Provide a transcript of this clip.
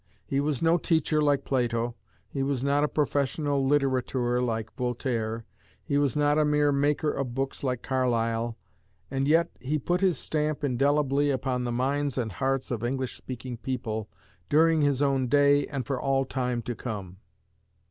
He was no teacher like Plato; he was not a professional litterateur like Voltaire; he was not a mere maker of books like Carlyle; and yet he put his stamp indelibly upon the minds and hearts of English speaking people during his own day and for all time to come.